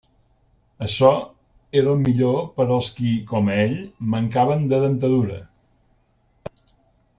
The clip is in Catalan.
Açò era el millor per als qui, com ell, mancaven de dentadura.